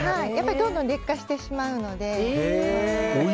どんどん劣化してしまうので。